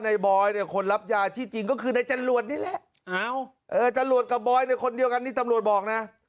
นายบอยคนรับยาที่จริงก็คือในจังหลวดนี่แหละจังหลวดกับบอยคนเดียวกันนี่ตำรวจบอกนะ